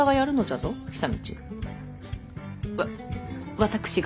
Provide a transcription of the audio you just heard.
わ私が！？